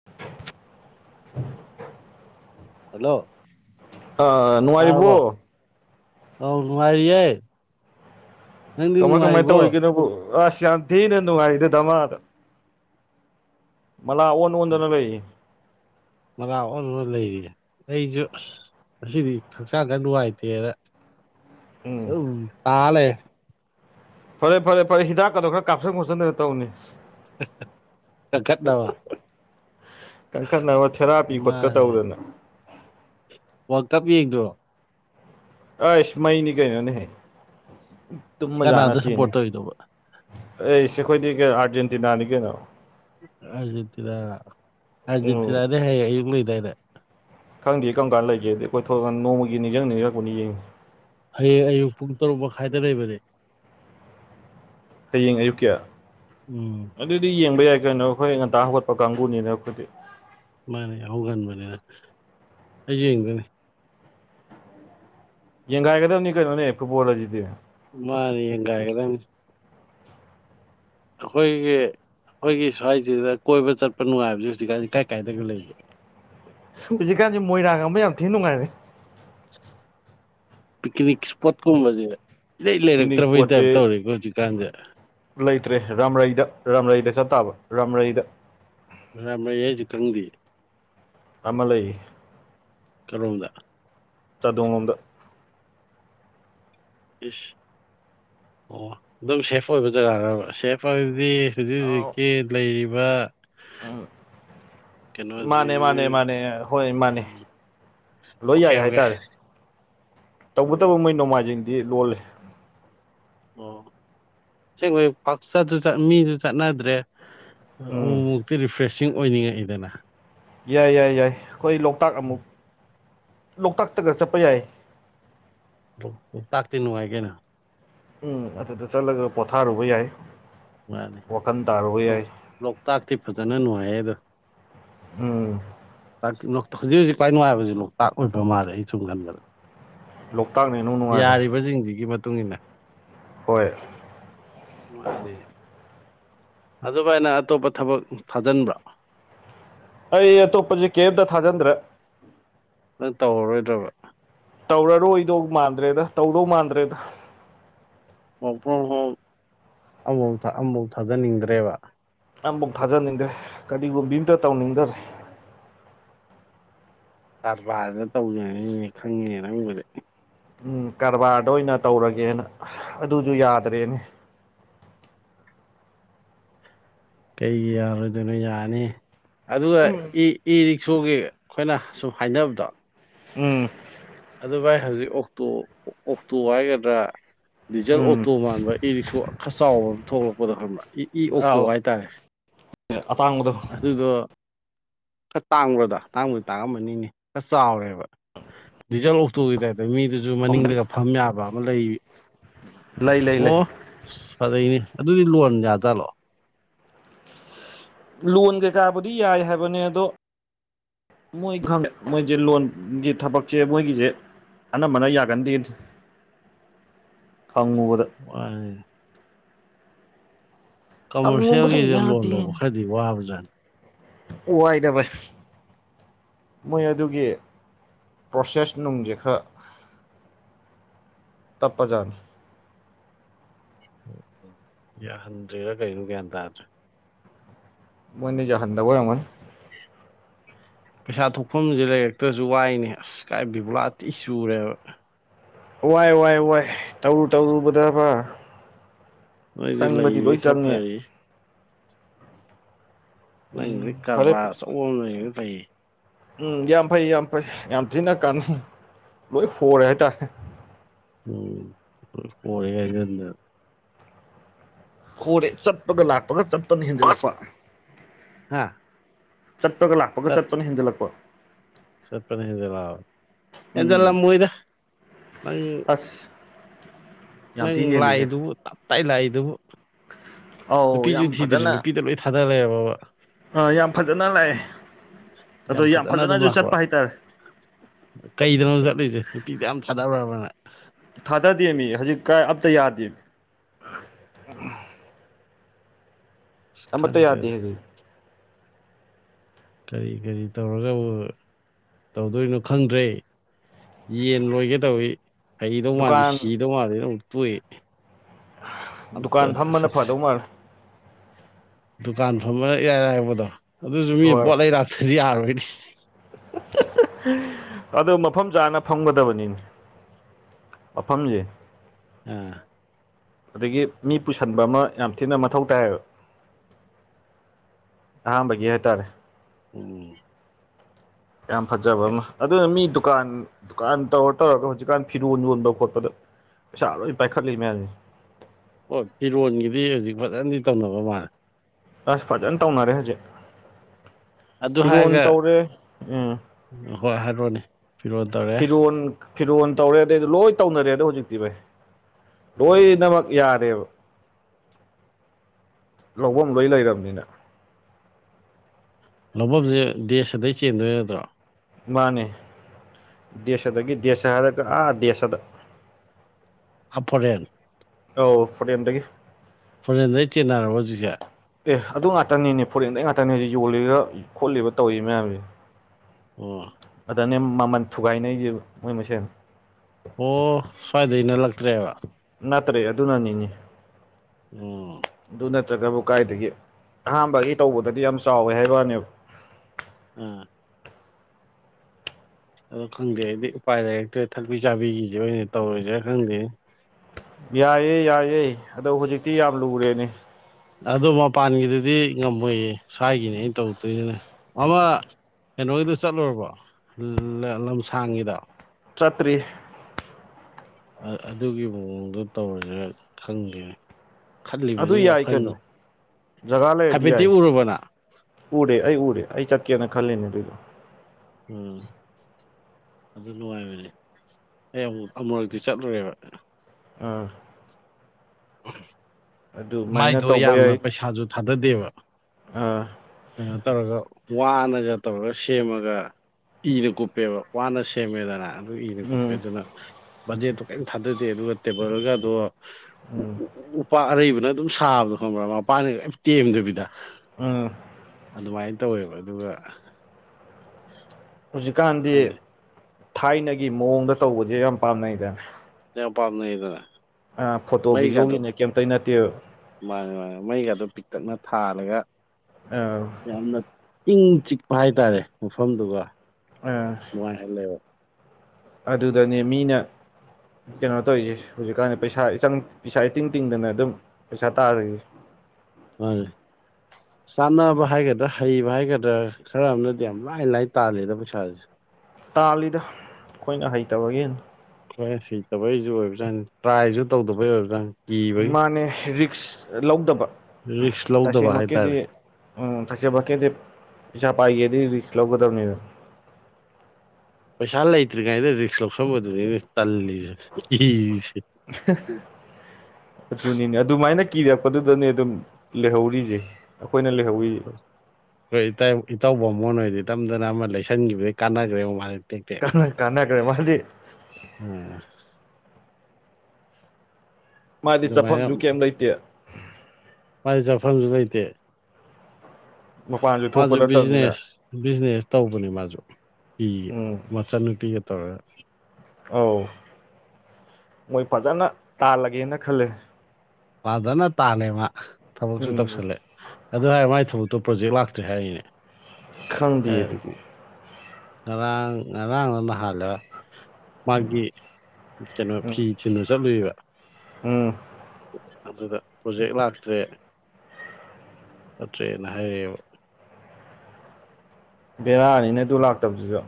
[inaudible] hello ꯑ ꯇꯥꯔꯕꯣ ꯅꯨꯉꯥꯏꯔꯤꯕꯣ ꯑꯧ ꯅꯨꯡꯉꯥꯏꯔꯤꯌꯦ ꯅꯪꯗꯤ ꯀꯃꯥꯏ ꯀꯃꯥꯏꯅ ꯅꯨꯡꯉꯥꯏꯔꯤꯕꯣ ꯇꯧꯔꯤꯒꯦꯅꯣꯕꯨ ꯑꯥꯁ ꯌꯥꯝꯊꯤꯅ ꯅꯨꯡꯉꯥꯏꯔꯤꯗ ꯗꯃꯥꯗ ꯃꯂꯥ ꯑꯣꯟ ꯑꯣꯟꯗꯅ ꯂꯩꯌꯦ ꯃꯔꯥ ꯑꯣꯟ ꯑꯣꯟ ꯂꯩꯔꯤꯌꯦ ꯑꯩꯖꯨ ꯑꯁ ꯉꯁꯤꯗꯤ ꯍꯛꯆꯥꯡ ꯈꯔ ꯅꯨꯡꯉꯥꯏꯇꯦꯅ ꯎꯝ ꯇꯥ ꯂꯩꯔꯦ ꯐꯔꯦ ꯐꯔꯦ ꯐꯔꯦ ꯍꯤꯗꯥꯛꯀꯗꯣ ꯈꯔ ꯀꯥꯞꯁꯟ ꯈꯣꯠꯁꯟꯗꯅ ꯇꯧꯅꯦ ꯍ ꯍ ꯀꯟꯈꯠꯅꯕ ꯀꯟꯈꯠꯅꯕ ꯊꯦꯔꯥꯄꯤ ꯈꯣꯠꯀ ꯇꯧꯗꯅ ꯋꯥꯜ ꯀꯞ ꯌꯦꯡꯗ꯭ꯔꯣ ꯑꯥꯏꯁ ꯃꯩꯅꯤ ꯀꯩꯅꯣꯅꯦꯍꯦ ꯇꯨꯝꯕꯖꯥꯠ ꯀꯅꯥꯗ ꯅꯠꯇꯦꯅꯦ ꯁꯞꯄꯣꯔꯠ ꯇꯧꯔꯤꯅꯣꯕ ꯑꯩꯁ ꯑꯩꯈꯣꯏꯗꯤ ꯀꯩꯅꯣ ꯑꯥꯔꯖꯦꯟꯇꯤꯅꯥꯅꯤ ꯀꯩꯅꯣ ꯑꯥꯔꯖꯦꯟꯇꯤꯅꯥ ꯎꯝ ꯑꯥꯔꯖꯦꯟꯇꯤꯅꯥꯗꯤ ꯍꯌꯦꯡ ꯑꯌꯨꯛ ꯂꯩꯗꯥꯏꯅꯦ ꯈꯪꯗꯦ ꯀꯔꯝ ꯀꯥꯟꯅ ꯂꯩꯒꯦꯗꯤ ꯑꯩꯈꯣꯏ ꯊꯣꯛꯂꯑꯥꯟ ꯅꯣꯡꯃꯒꯤ ꯅꯤꯡꯁꯤꯡꯅꯤꯔꯛꯄꯅꯤ ꯌꯦꯡꯉꯤ ꯍꯌꯦꯡ ꯑꯌꯨꯛ ꯄꯨꯡ ꯇꯔꯨꯛ ꯃꯈꯥꯏꯗ ꯂꯩꯕꯅꯦ ꯍꯌꯦꯡ ꯑꯌꯨꯛꯀꯤ ꯎꯝ ꯑꯗꯨꯗꯤ ꯌꯦꯡꯕ ꯌꯥꯏ ꯀꯩꯅꯣ ꯑꯩꯈꯣꯏ ꯉꯟꯇꯥ ꯍꯧꯒꯠꯄ ꯀꯥꯡꯕꯨꯅꯤꯅ ꯑꯩꯈꯣꯏꯗꯤ ꯃꯥꯅꯦ ꯍꯧꯒꯟꯕꯅꯤꯅ ꯑꯩ ꯌꯦꯡꯗꯣꯏꯅꯦ ꯌꯦꯡꯒꯥꯏꯒꯗꯕꯅꯤ ꯀꯩꯅꯣꯅꯦ ꯐꯨꯠꯕꯣꯜ ꯑꯁꯤꯗꯤ ꯃꯥꯅꯤ ꯌꯦꯒꯥꯥꯏꯒꯗꯧ ꯑꯩꯈꯣꯏꯒꯤ ꯑꯩꯈꯣꯏꯒꯤ ꯁ꯭ꯋꯥꯏꯁꯤꯗ ꯀꯣꯏꯕ ꯆꯠꯄ ꯅꯨꯡꯉꯥꯏꯕꯁꯤ ꯍꯧꯖꯤꯛꯀꯥꯟꯗꯤ ꯀꯥꯏ ꯀꯥꯏꯗꯒ ꯂꯩꯒꯦ ꯍꯧꯖꯤꯛꯀꯥꯟꯁꯦ ꯃꯣꯏꯔꯥꯡ ꯑꯃ ꯌꯥꯝ ꯊꯤꯅ ꯅꯨꯡꯉꯥꯏꯔꯦ ꯄꯤꯛꯅꯤꯛ ꯏꯁꯄꯣꯠꯀꯨꯝꯕꯁꯦ ꯏꯔꯩ ꯄꯤꯛꯅꯤꯛ ꯂꯩꯔꯛꯇ꯭ꯔꯕꯩ ꯇꯥꯏꯞ ꯏꯁꯄꯣꯠꯁꯦ ꯇꯧꯔꯦꯀꯣ ꯍꯧꯖꯤꯛ [unintelligible] ꯂꯩꯇ꯭ꯔꯦ ꯔꯥꯝꯔꯩꯗ ꯔꯥꯝꯔꯩꯗ ꯆꯠ ꯇꯥꯕ ꯔꯥꯝꯔꯩꯗ ꯔꯥꯃꯩ [unintelligible] ꯈꯪꯗꯦ ꯑꯃ ꯂꯩ ꯀꯔꯣꯝꯗ ꯆꯥꯗꯣꯡꯂꯣꯝꯗ ꯏꯁ ꯑꯣ ꯑꯗꯨꯝ ꯁꯦꯐ ꯑꯣꯏꯕ ꯖꯒꯥꯔ꯭ꯕ ꯁꯦꯐ ꯑꯣꯏꯕꯗꯤ ꯍꯧꯖꯤꯛ ꯑ ꯍꯧꯖꯤꯛꯀꯤ ꯂꯩꯔꯤꯕ ꯎꯝ ꯀꯩꯅꯣꯁꯤ ꯃꯥꯅꯦ ꯃꯥꯅꯦ ꯃꯥꯅꯦ ꯍꯣꯏ ꯃꯥꯅꯦ ꯂꯣꯏ ꯑꯣꯀꯦ ꯌꯥꯏ ꯑꯣꯀꯦ ꯍꯥꯏꯇꯥꯔꯦ ꯇꯧꯕꯇꯕꯨ ꯑꯣ ꯃꯣꯏ ꯅꯣꯡꯃꯥꯏꯖꯤꯡꯗꯤ ꯂꯣꯜꯂꯤ ꯑꯣ ꯁꯦꯡꯕꯩ ꯄꯥꯛꯆꯠꯁꯨ ꯆꯠ ꯃꯤꯁꯨ ꯆꯠꯅꯗ꯭ꯔꯦ ꯎꯝ [unintelligible] ꯔꯤꯐ꯭ꯔꯦꯁꯤꯡ ꯑꯣꯏꯅꯤꯡꯉꯛꯏꯗꯅ ꯌꯥꯏ ꯌꯥꯏ ꯌꯥꯏ ꯑꯩꯈꯣꯏ ꯂꯣꯛꯇꯥꯛ ꯑꯃꯨꯛ ꯂꯣꯛꯇꯥꯛꯇꯒ ꯆꯠꯄ ꯌꯥꯏ ꯂꯧꯇꯥꯛꯇꯤ ꯅꯨꯡꯉꯥꯏ ꯀꯩꯅꯣ ꯎꯝ ꯑꯗꯨꯗ ꯆꯠꯂꯒ ꯄꯣꯊꯥꯔꯨꯕ ꯌꯥꯏ ꯃꯥꯅꯤ ꯋꯥꯈꯜ ꯇꯥꯔꯨꯕ ꯌꯥꯏ ꯂꯣꯛꯇꯥꯛꯇꯤ ꯐꯖꯅ ꯅꯨꯡꯉꯥꯏꯌꯦ ꯑꯗꯣ ꯎꯝ ꯍꯧꯖꯤꯛ ꯍꯧꯖꯤꯛ ꯈ꯭ꯋꯥꯏ ꯅꯨꯡꯉꯥꯏꯕꯁꯤ ꯂꯣꯛꯇꯥꯛ ꯑꯣꯏꯕ ꯃꯥꯜꯂꯦ ꯑꯩ ꯁꯨꯝ ꯈꯟꯕꯗ ꯂꯣꯛꯇꯥꯛꯅ ꯏꯅꯨꯡ ꯅꯨꯡꯉꯥꯏꯔꯦ ꯌꯥꯔꯤꯕꯁꯤꯡꯁꯤꯒꯤ ꯃꯇꯨꯡꯏꯟꯅ ꯍꯣꯏ [unintelligible] ꯑꯗꯨꯕꯥꯏꯅ ꯑꯇꯣꯞꯄ ꯊꯕꯛ ꯊꯥꯖꯟꯕ꯭ꯔꯥ ꯑꯩ ꯑꯇꯣꯞꯄꯁꯤ ꯀꯩꯃꯇ ꯊꯥꯖꯟꯗ꯭ꯔꯦ ꯅꯪ ꯇꯧꯔꯔꯣꯏꯗ꯭ꯔꯕ ꯇꯧꯔꯔꯣꯏꯗꯧ ꯃꯥꯟꯗ꯭ꯔꯦꯗ ꯇꯧꯗꯧ ꯃꯥꯟꯗ꯭ꯔꯦꯗ ꯑꯣ ꯍ ꯍ [unintelligible] ꯑꯃꯐꯧ ꯑꯃꯐꯥꯎ ꯊꯥꯖꯟꯅꯤꯡꯗ꯭ꯔꯦꯕ ꯑꯃꯕꯧ ꯊꯥꯖꯟꯅꯤꯡꯗ꯭ꯔꯦ ꯀꯕꯤꯒꯨꯝꯕꯤ ꯑꯃꯇ ꯇꯧꯅꯤꯡꯗ꯭ꯔꯦ ꯀꯔꯕꯥꯔꯅꯦ ꯇꯧꯅꯩꯅꯦ ꯈꯪꯉꯤꯅꯦ ꯅꯪꯕꯨꯗꯤ ꯎꯝ ꯀꯔꯕꯥꯔꯗ ꯑꯣꯏꯅ ꯇꯧꯔꯒꯦꯅ ꯑꯗꯨꯁꯨ ꯌꯥꯗ꯭ꯔꯦꯅꯦ ꯀꯩꯒꯤ ꯌꯥꯔꯣꯏꯗꯣꯏꯅꯣ ꯌꯥꯅꯤ ꯑꯗꯨꯒ ꯏ ꯏ ꯔꯤꯛꯁꯣꯒꯤ ꯑꯩꯈꯣꯏꯅ ꯁꯨꯝ ꯍꯥꯏꯅꯕꯗꯣ ꯎꯝ ꯑꯗꯨ ꯚꯥꯏ ꯍꯧꯖꯤꯛ ꯑꯣꯛꯇꯣ ꯑꯣꯛꯇꯣ ꯍꯥꯏꯒꯗ꯭ꯔꯥ ꯗꯤꯖꯜ ꯎꯝ ꯑꯣꯛꯇꯣ ꯃꯥꯟꯕ ꯏ ꯔꯤꯛꯁꯨ ꯈꯔ ꯆꯥꯎꯕ ꯑꯃ ꯊꯣꯛꯂꯛꯄꯗ ꯈꯟꯕ ꯏ ꯏ ꯑꯣꯛꯇꯣ ꯑꯥꯎ ꯍꯥꯏꯇꯥꯔꯦ ꯑꯇꯥꯡꯕꯗꯣ ꯑꯗꯨꯗꯣ ꯈꯔ ꯇꯥꯡꯕꯗꯣ ꯇꯥꯡꯕꯨ ꯇꯥꯡꯑꯝꯃꯅꯤꯅꯦ ꯈꯔ ꯆꯥꯎꯔꯦꯕ [inaudible] ꯗꯤꯖꯜ ꯑꯣꯇꯣꯒꯤ ꯇꯥꯏꯞꯇ ꯃꯤꯗꯨꯁꯨ ꯃꯅꯤꯡꯗꯒ ꯐꯝ ꯌꯥꯕ ꯑꯃ ꯂꯩ ꯂꯩ ꯂꯩ ꯂꯩ ꯑꯣ ꯑꯁ ꯐꯖꯩꯅꯦ ꯑꯗꯨꯗꯤ ꯂꯣꯟ ꯌꯥ ꯖꯥꯠꯂꯣ ꯂꯣꯟ ꯀꯩꯀꯥꯕꯨꯗꯤ ꯌꯥꯏ ꯍꯥꯏꯕꯅꯦ ꯑꯗꯣ ꯃꯣꯏ ꯈꯪ ꯃꯣꯏꯁꯦ ꯂꯣꯟꯒꯤ ꯊꯕꯛꯁꯦ ꯃꯣꯏꯒꯤꯁꯦ ꯑꯅꯝꯕꯅ ꯌꯥꯒꯟꯗꯦꯅꯦ ꯍꯪꯉꯨꯕꯗ ꯋꯥꯍꯦ ꯍꯪꯉꯨꯕꯗ ꯀꯃꯔꯁꯦꯜꯒꯤꯁꯦ ꯂꯣꯟ ꯂꯧꯕ ꯌꯥꯗꯦꯅꯦ ꯈꯔꯗꯤ ꯋꯥꯕ ꯖꯥꯠꯅꯤ ꯋꯥꯏꯗ ꯚꯥꯏ ꯃꯣꯏ ꯑꯗꯨꯒꯤ ꯄ꯭ꯔꯣꯁꯦꯁ ꯅꯨꯡꯁꯤ ꯈꯔ ꯇꯞꯄꯖꯥꯠꯅꯤ ꯌꯥꯍꯟꯗꯔꯤꯔꯥ ꯀꯩꯅꯣ ꯒ꯭ꯌꯥꯟ ꯇꯥꯗ꯭ꯔꯦ ꯃꯣꯏꯅ ꯌꯍꯟꯗꯕ ꯑꯣꯏꯔꯝꯒꯅꯤ ꯄꯩꯁꯥ ꯊꯣꯛꯐꯝꯁꯦ ꯂꯩꯔꯛꯇ꯭ꯔꯁꯨ ꯋꯥꯏꯅꯦ ꯑꯁ ꯀꯥꯏ ꯕꯦꯕꯨꯂꯥ ꯊꯤ ꯆꯨꯔꯦꯕ ꯋꯥꯏ ꯋꯥꯏ ꯋꯥꯏ ꯇꯧꯔꯨ ꯇꯧꯔꯨꯕꯗꯕ ꯅꯣꯏꯗꯤ ꯆꯪꯕꯗꯤ ꯂꯩꯕꯅꯤ ꯂꯣꯏ ꯈꯔ ꯆꯪꯉꯦ ꯐꯔꯤ ꯅꯪꯒꯤꯗꯤ ꯎꯝ ꯐꯔꯦ ꯀꯔꯕꯥꯔ ꯐꯔꯦ ꯑꯆꯧꯕ ꯑꯃ ꯂꯩꯕꯅꯤꯅ ꯐꯩꯌꯦ ꯎꯝ ꯌꯥꯝ ꯐꯩ ꯌꯥꯝ ꯐꯩ ꯌꯥꯝ ꯊꯤꯅ ꯀꯥꯟꯅꯩ ꯂꯣꯏ ꯍꯣꯔꯦ ꯍꯥꯏꯇꯥꯔꯦ ꯎꯝ ꯍꯣꯔꯦꯒ ꯍꯥꯏꯖꯟꯗ ꯍꯣꯔꯦ ꯆꯠꯄꯒ ꯂꯥꯛꯄꯒ ꯆꯠꯄꯅ ꯍꯦꯟꯖꯜꯂꯛꯄ ꯍꯥꯥ ꯆꯠꯄꯒ ꯂꯥꯛꯄꯒ ꯆꯠꯄꯅ ꯍꯦꯟꯖꯜꯂꯛꯄ ꯆꯠꯄꯅ ꯍꯦꯟꯖꯤꯜꯂꯛꯑꯕꯥ ꯌꯦꯟꯖꯟ ꯎꯝ ꯂꯝ ꯃꯣꯏꯗ ꯅꯪ ꯑꯁ ꯌꯥꯝ ꯅꯪ ꯊꯤ ꯍꯦꯜꯂꯤꯍꯦ ꯂꯥꯛꯏꯗꯨꯕꯨ ꯇꯞ ꯇꯥꯏ ꯂꯥꯛꯏꯗꯨꯕꯨ ꯑꯧ ꯅꯨꯄꯤꯁꯨ ꯌꯥꯝ ꯊꯤꯗ꯭ꯔꯤ ꯅꯨꯄꯤꯗ ꯂꯣꯏ ꯊꯥꯗꯂꯩꯔꯕꯔꯕꯥ ꯑꯥ ꯌꯥꯝ ꯐꯖꯅ ꯂꯥꯛꯑꯦ ꯑꯗꯣ ꯌꯥꯝ ꯐꯖꯅ ꯑꯗꯨꯝ ꯐꯖꯅꯁꯨ ꯂꯥꯛꯄ꯭ꯔꯣ ꯆꯠꯄ ꯍꯥꯏꯇꯥꯔꯦ ꯀꯩꯗꯅꯣ ꯆꯠꯂꯤꯁꯦ ꯅꯨꯄꯤꯗ ꯌꯥꯝ ꯊꯥꯗꯕꯔ꯭ꯕ ꯅꯪ ꯊꯥꯗꯗꯦ ꯃꯤ ꯍꯧꯖꯤꯛ ꯀꯥꯏ ꯑꯝꯇ ꯌꯥꯗꯦꯃꯤ ꯑꯁ ꯑꯃꯇ ꯌꯥꯗꯦ ꯈꯪꯗ꯭ꯔꯦꯗ ꯍꯥꯏꯗꯨꯅꯤ ꯀꯔꯤ ꯀꯔꯤ ꯇꯧꯔꯒꯕꯨ ꯇꯧꯗꯣꯏꯅꯣ ꯈꯪꯗ꯭ꯔꯦ ꯌꯦꯟ ꯂꯣꯏꯒꯦꯇꯧꯏ ꯍꯩꯗꯧ ꯃꯥꯟꯗꯦ ꯗꯨꯀꯥꯟ ꯁꯤꯗꯧ ꯃꯥꯥꯟꯂꯤ ꯑꯃꯨꯛ ꯇꯣꯛꯏ ꯑꯝꯇ ꯗꯨꯀꯥꯟ ꯐꯝꯕꯅ ꯐꯗꯧ ꯃꯥꯜꯂꯦ ꯗꯨꯀꯥꯟ ꯐꯝꯃ ꯏꯔꯥꯏ ꯂꯥꯏꯕꯗꯣ ꯑꯗꯨꯁꯨ ꯃꯤ ꯄꯣꯠꯂꯩ ꯂꯥꯛꯇ꯭ꯔꯗꯤ ꯌꯥꯔꯣꯏꯅꯦ ꯑꯗꯨ ꯃꯐꯝ ꯆꯥꯅ ꯐꯪꯒꯗꯕꯅꯤꯅꯦ ꯃꯥꯐꯝꯁꯤ ꯑꯥ ꯑꯗꯒꯤ ꯃꯤ ꯄꯨꯁꯤꯟꯕ ꯑꯃ ꯌꯥꯝ ꯊꯤꯅ ꯃꯊꯧ ꯇꯥꯏꯌꯦꯕ ꯑꯍꯥꯟꯕꯒꯤ ꯍꯥꯏꯇꯥꯔꯦ ꯎꯝ ꯌꯥꯝ ꯐꯖꯕ ꯑꯃ ꯑꯗꯨꯅ ꯃꯤ ꯗꯨꯀꯥꯟ ꯗꯨꯀꯥꯟ ꯇꯧꯔ ꯇꯧꯔꯒ ꯍꯧꯖꯤꯛꯀꯥꯟ ꯐꯤꯔꯣꯟ ꯌꯣꯟꯕ ꯈꯣꯠꯄꯗ ꯄꯩꯁꯥ ꯂꯣꯏ ꯄꯥꯏꯈꯠꯂꯤ ꯃꯌꯥꯝꯁꯦ ꯍꯣꯏ ꯐꯤꯔꯣꯟꯒꯤꯗꯤ ꯍꯧꯖꯤꯛ ꯐꯖꯅꯗꯤ ꯇꯧꯅꯕ ꯃꯥꯜꯂꯦ ꯑꯁ ꯐꯖꯅ ꯇꯧꯅꯔꯦ ꯍꯧꯖꯤꯛ ꯑꯗꯨ ꯐꯤꯔꯣꯜ ꯍꯥꯏꯔꯒ ꯇꯧꯔꯦ ꯎꯝ ꯍꯣꯏ ꯍꯥꯏꯔꯣꯅꯦ ꯐꯤꯔꯣꯟ ꯇꯧꯔꯦ ꯐꯤꯔꯣꯟ ꯐꯤꯔꯣꯟ ꯇꯧꯔꯦ ꯑꯗꯩꯗꯤ ꯂꯣꯏ ꯇꯧꯅꯔꯦ ꯍꯧꯖꯤꯛꯇꯤ ꯕꯥꯢ ꯎꯝ ꯂꯣꯏꯅꯃꯛ ꯌꯥꯔꯦꯕ ꯂꯧꯕꯝ ꯂꯣꯏ ꯂꯩꯔꯕꯅꯤꯅ ꯂꯧꯐꯝꯁꯦ ꯗꯦꯁ ꯁꯤꯗꯩ ꯆꯦꯟꯗꯣꯏ ꯅꯠꯇꯔꯣ ꯃꯥꯅꯦ ꯗꯦꯁꯗꯒꯤ ꯗꯦꯁ ꯍꯥꯏꯔꯒ ꯑꯥ ꯗꯦꯁꯗ ꯑꯥꯏꯁ ꯐꯣꯔꯦꯟ ꯑꯧ ꯐꯣꯔꯦꯟꯗꯒꯤ ꯐꯣꯔꯦꯟꯗꯩꯩ ꯆꯦꯟꯅꯔꯕꯣ ꯍꯧꯖꯤꯛꯁꯦ ꯑꯦ ꯑꯗꯨ ꯉꯥꯛꯇꯅꯤꯅꯦ ꯐꯣꯔꯦꯟꯗꯩ ꯉꯥꯛꯇꯅꯦꯁꯦ ꯌꯣꯜꯂꯤꯒ ꯈꯣꯠꯂꯤꯕ ꯇꯧꯋꯤ ꯃꯌꯥꯝꯁꯦ ꯑꯣ ꯑꯗꯅꯦ ꯃꯃꯟ ꯊꯨꯒꯥꯏꯅꯩꯁꯦ ꯃꯣꯏ ꯃꯁꯦꯟ ꯑꯣ ꯁ꯭ꯋꯥꯏꯗꯩ ꯅꯂꯛꯇ꯭ꯔꯦꯕ ꯅꯠꯇ꯭ꯔꯦ ꯑꯗꯨꯅꯅꯤꯅꯦ ꯑꯣ ꯑꯗꯨ ꯅꯠꯇ꯭ꯔꯒꯕꯨ ꯀꯥꯏꯗꯒꯤ ꯑꯍꯥꯝꯕꯒꯤ ꯇꯧꯕꯗꯗꯤ ꯌꯥꯝ ꯆꯥꯎꯋꯦ ꯍꯥꯏꯕ ꯋꯥꯅꯦꯕ ꯑꯥ ꯑꯗꯣ ꯈꯪꯗꯦ ꯑꯩꯗꯤ ꯎꯄꯥꯏ ꯂꯩꯔꯛꯇ꯭ꯔꯦ ꯊꯛꯄꯤ ꯆꯥꯕꯤꯒꯤꯁꯦ ꯑꯣꯏꯅ ꯇꯧꯔꯁꯤꯔꯥ ꯈꯪꯗꯦ ꯌꯥꯏꯌꯦ ꯌꯥꯏꯌꯦ ꯑꯗꯣ ꯍꯨꯖꯤꯛꯇꯤ ꯌꯥꯝ ꯂꯨꯔꯦꯅꯦ ꯑꯗꯣ ꯃꯄꯥꯟꯒꯤꯗꯨꯗꯤ ꯉꯝꯃꯣꯏꯌꯦ ꯁ꯭ꯋꯥꯏꯒꯤꯅꯦ ꯑꯩꯅ ꯇꯧꯔꯛꯇꯣꯏꯁꯤꯅ ꯑꯃꯥ ꯀꯩꯅꯣꯒꯤꯗꯨ ꯆꯠꯂꯨꯔꯕꯣ ꯂꯝꯁꯥꯡꯒꯤꯗꯣ ꯆꯠꯇꯔꯤ ꯑꯗꯨꯒꯤ ꯃꯑꯣꯡꯗꯨ ꯇꯧꯔꯁꯤꯔꯥ ꯈꯪꯗꯦꯅꯦ ꯑꯗꯨ ꯈꯠꯂꯤꯕꯅꯤ ꯌꯥꯏ ꯋꯥꯈꯟꯖꯦ ꯀꯩꯅꯣ ꯖꯒꯥ ꯂꯩꯔꯗꯤ ꯍꯥꯏꯐꯦꯠꯇꯤ ꯌꯥꯏ ꯎꯔꯕꯣꯅꯥ ꯎꯔꯦ ꯑꯩ ꯎꯔꯦ ꯑꯩ ꯆꯠꯀꯦꯅ ꯈꯜꯂꯤꯅꯦ ꯑꯗꯨꯏꯗꯣ ꯎꯝ ꯑꯗꯨ ꯅꯨꯡꯉꯥꯏꯕꯅꯦ ꯑꯩ ꯑꯃꯨꯛ ꯑꯃꯨꯔꯛꯇꯤ ꯆꯠꯂꯨꯔꯦꯕ ꯑꯥ ꯑꯗꯨꯃꯥꯏꯅ ꯃꯥꯏꯗꯣ ꯇꯧꯕ ꯌꯥꯝꯅ ꯌꯥꯏ ꯄꯩꯁꯥꯁꯨ ꯊꯥꯗꯗꯦꯕ ꯑꯥ ꯀꯩꯅꯣ ꯇꯧꯔꯒ ꯋꯥꯅꯒ ꯇꯧꯔ ꯁꯦꯝꯃꯒ ꯏꯅ ꯀꯨꯞꯄꯦꯕ ꯋꯥꯅ ꯁꯦꯝꯃꯦꯗꯅ ꯑꯗꯨ ꯏꯅ ꯀꯨꯞꯄꯦ ꯎꯝ ꯑꯗꯨꯅ ꯕꯖꯦꯠꯇꯣ ꯀꯤꯝ ꯊꯥꯗꯗꯦ ꯑꯗꯨꯒ ꯇꯦꯕꯜꯒꯗꯣ ꯎꯝ ꯎꯄꯥꯛ ꯑꯔꯩꯕꯅ ꯑꯗꯨꯝ ꯁꯥꯕꯗꯣ ꯈꯪꯕ꯭ꯔꯥ ꯃꯄꯥꯅꯤ ꯀꯩꯝ ꯇꯦꯝꯗꯕꯤꯗ ꯑꯥ ꯑꯗꯨꯃꯥꯏ ꯇꯧꯔꯦꯕ ꯑꯗꯨꯒ ꯍꯨꯖꯤꯀꯥꯟꯗꯤ ꯈꯪꯗꯦ ꯊꯥꯏꯅꯒꯤ ꯃꯑꯣꯡꯗ ꯇꯧꯕꯁꯦ ꯌꯥꯝ ꯄꯥꯝꯅꯩꯗꯅ ꯌꯥꯝ ꯄꯥꯝꯅꯩꯗꯅ ꯑꯥ ꯐꯣꯇꯣ ꯃꯩꯒꯗꯣ ꯚꯤꯗꯤꯑꯣꯒꯤꯅꯦ ꯀꯦꯝꯇꯩ ꯅꯠꯇꯦꯕ ꯃꯥꯅꯦ ꯃꯥꯅꯦ ꯃꯩꯒꯗꯣ ꯄꯤꯛꯇꯛꯅ ꯊꯥꯜꯂꯒ ꯑꯦꯜ ꯌꯥꯝꯅ ꯏꯪ ꯆꯤꯛꯄ ꯍꯥꯏꯇꯥꯔꯦ ꯃꯐꯝꯗꯨꯒ ꯑꯥ ꯅꯨꯉꯥꯏꯍꯜꯂꯦꯕ ꯑꯗꯨꯗꯅꯦ ꯃꯤꯅ ꯀꯩꯅꯣ ꯇꯧꯔꯤꯁꯦ ꯍꯧꯖꯤꯛꯀꯥꯟꯗꯤ ꯄꯩꯁꯥ ꯏꯆꯪ ꯄꯩꯁꯥ ꯏꯇꯤꯡ ꯇꯤꯡꯗꯅ ꯑꯗꯨꯝ ꯄꯩꯁꯥ ꯇꯥꯜꯂꯤꯁꯦ [unintelligible] ꯆꯥꯟꯅꯕ ꯍꯥꯏꯒꯗ꯭ꯔꯥ ꯍꯩꯕ ꯍꯥꯏꯒꯗ꯭ꯔꯥ ꯈꯔ ꯑꯃꯅꯗꯤ ꯌꯥꯝ ꯂꯥꯏ ꯂꯥꯏ ꯇꯥꯜꯂꯦꯗ ꯄꯩꯁꯥꯥꯁꯦ ꯇꯥꯜꯂꯤꯗ ꯑꯩꯈꯣꯏꯅ ꯍꯩꯇꯕꯒꯤꯅꯤ ꯑꯈꯣꯏꯅ ꯍꯩꯇꯕꯩꯁꯨ ꯑꯣꯏꯕ ꯖꯥꯠꯅꯤ ꯇ꯭ꯔꯥꯏꯁꯨ ꯇꯧꯗꯕꯩ ꯑꯣꯏꯕꯖꯥꯠꯅꯤ ꯀꯤꯕꯒꯤ ꯃꯥꯅꯦ ꯔꯤꯛꯁ ꯂꯧꯗꯕ ꯔꯤꯛꯁ ꯂꯧꯗꯕ ꯇꯁꯦꯡꯃꯛꯀꯤꯗꯤ ꯍꯥꯏꯇꯥꯔꯦ ꯎꯝ ꯇꯥꯁꯦꯕꯀꯦꯗꯤ ꯄꯤꯁꯥ ꯄꯥꯏꯒꯦꯗꯤ ꯔꯤꯁꯛ ꯂꯧꯒꯗꯕꯅꯤꯗ ꯄꯩꯁꯥ ꯂꯩꯇ꯭ꯔꯤ ꯉꯥꯏꯗ ꯔꯤꯛꯁ ꯂꯧꯁꯟꯕꯗꯨꯅꯤꯅꯦ ꯇꯜꯂꯤꯁꯦ ꯏꯍꯤꯔꯤꯁꯦ [inaudible] ꯑꯗꯨꯅꯤꯅꯦ ꯑꯗꯨꯃꯥꯏꯅ ꯀꯤꯔꯛꯄꯗꯨꯗꯅꯦ ꯑꯗꯨꯝ ꯂꯩꯍꯧꯔꯤꯁꯦ ꯑꯩꯈꯣꯏꯅ ꯂꯩꯍꯧꯔꯤ ꯀꯩ ꯇꯥꯏꯕ ꯏꯇꯥꯎꯕꯨ ꯑꯃꯨꯛ ꯍꯟꯅꯥ ꯑꯩꯗꯤ ꯇꯝꯗꯅ ꯑꯃ ꯂꯩꯁꯟꯈꯤꯕꯗꯩꯩ ꯀꯥꯟꯅꯈ꯭ꯔꯦ ꯃꯥ ꯇꯦꯛꯇꯦꯛ ꯀꯥꯟꯅꯒ꯭ꯔꯦ ꯃꯥꯗꯤ ꯃꯥꯗꯤ ꯑꯗꯨꯃꯥꯏꯅ ꯆꯠꯐꯝꯁꯨ ꯀꯩꯝ ꯂꯩꯇꯦ ꯃꯥꯥꯏ ꯆꯥꯐꯝꯁꯨ ꯂꯩꯇꯦ ꯃꯄꯥꯟꯁꯨ ꯊꯣꯛꯄ ꯃꯥꯁꯨ ꯅꯠꯇꯕꯅꯤꯅ ꯕꯤꯖꯤꯅꯦꯁ ꯕꯤꯖꯤꯅꯦꯁ ꯇꯧꯕꯅꯤ ꯃꯥꯁꯨ ꯄꯤ ꯎꯝ ꯃꯆꯟꯅꯨꯄꯤꯒ ꯇꯧꯔꯒ ꯑꯧ ꯃꯣꯏ ꯐꯖꯅ ꯇꯥꯜꯂꯒꯦꯅ ꯈꯜꯂꯦ ꯐꯖꯅ ꯇꯥꯜꯂꯦ ꯃꯥ ꯊꯕꯛꯁꯨ ꯎꯝ ꯇꯧꯁꯜꯂꯦ ꯑꯗꯨ ꯍꯥꯏꯔꯥ ꯃꯥꯏ ꯊꯕꯛꯇꯣ ꯄ꯭ꯔꯣꯖꯦꯛ ꯂꯥꯛꯇ꯭ꯔꯦ ꯍꯥꯏꯔꯤꯅꯦ ꯈꯪꯗꯤꯌꯦ ꯑꯗꯨꯗꯤ ꯉꯔꯥꯡ ꯉꯔꯥꯡꯂꯥ ꯅꯍꯥꯜꯂꯥ ꯃꯥꯒꯤ ꯀꯩꯅꯣ ꯐꯤ ꯊꯤꯟꯕ ꯆꯠꯂꯨꯏꯕ ꯎꯝ ꯑꯗꯨꯗꯥ ꯄ꯭ꯔꯣꯖꯦꯛ ꯂꯥꯛꯇ꯭ꯔꯦ ꯈꯣꯠꯇ꯭ꯔꯦꯅꯥ ꯍꯥꯏꯔꯛꯑꯦꯕ ꯔꯥꯅꯤꯅꯦ ꯑꯗꯨ ꯂꯥꯛꯇꯕꯁꯤꯁꯨ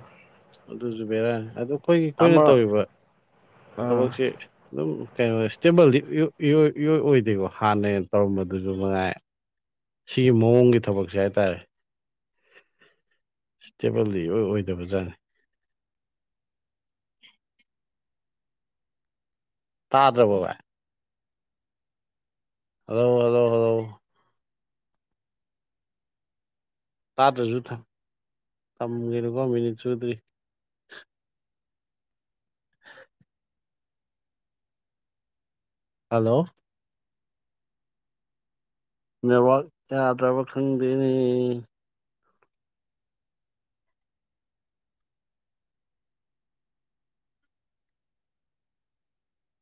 ꯑꯗꯨꯁꯨ ꯕꯦꯔꯥꯅꯦ ꯑꯗꯨ ꯑꯩꯈꯣꯏꯒꯤ ꯑꯃ ꯑꯩꯈꯣꯏꯅ ꯇꯧꯔꯤꯕ ꯑꯥ ꯊꯕꯛꯁꯦ ꯑꯗꯨꯝ ꯀꯩꯅꯣ ꯏꯁꯇꯦꯕꯜꯗꯤ ꯏꯌꯣꯏ ꯏꯌꯣꯏ ꯏꯌꯣꯏ ꯑꯣꯏꯗꯦꯕ ꯍꯥꯟꯅ ꯇꯧꯔꯝꯕꯗꯨꯁꯨ ꯃꯉꯥꯏ ꯁꯤ ꯃꯑꯣꯡꯒꯤ ꯊꯕꯛꯁꯦ ꯍꯥꯏꯇꯥꯔꯦ ꯏꯁꯇꯦꯕꯜꯗꯤ ꯏꯑꯣꯏ ꯑꯣꯏꯗꯕ ꯖꯥꯠꯅꯤ [unintelligible] ꯇꯥꯗ꯭ꯔꯥꯕꯣ ꯚꯥꯏ ꯍꯜꯂꯣ ꯍꯜꯂꯣ ꯍꯜꯂꯣ ꯇꯥꯗ꯭ꯔꯁꯨ ꯊꯝ ꯊꯝꯒꯤꯅꯨꯀꯣ ꯃꯤꯅꯤꯠ ꯆꯨꯗ꯭ꯔꯤ [unintelligible] ꯍꯜꯂꯣ ꯅꯦꯠꯋꯥꯛ ꯌꯥꯗ꯭ꯔꯕ ꯈꯪꯗꯦꯅꯦꯍꯦ